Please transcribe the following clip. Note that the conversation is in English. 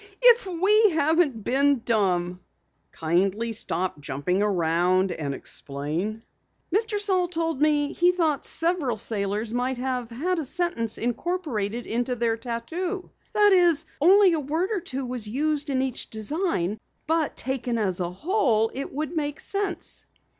If we haven't been dumb!" "Kindly stop jumping around, and explain." "Mr. Saal told me he thought several sailors might have had a sentence incorporated in their tattoo. That is, only a word or two was used in each design, but taken as a whole it would make sense."